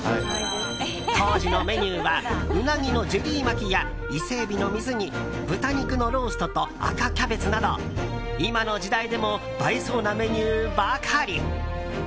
当時のメニューは鰻のジェリー巻きや伊勢海老の水煮豚肉のローストと赤キャベツなど今の時代でも映えそうなメニューばかり。